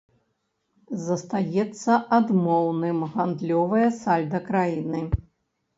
Застаецца адмоўным гандлёвае сальда краіны.